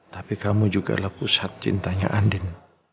tapi kamu juga adalah pusat cintanya andin